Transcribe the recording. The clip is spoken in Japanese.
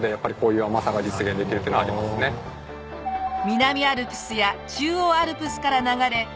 南アルプスや中央アルプスから流れ